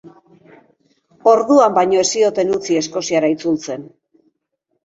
Orduan baino ez zioten utzi Eskoziara itzultzen.